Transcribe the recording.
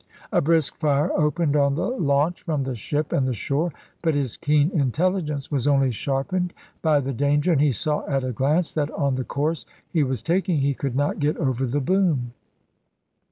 A brisk fire opened on the launch from the ship and the shore, but his keen intelligence was only sharpened by the danger, and he saw at a glance that on the course he was taking he could not get over the boom.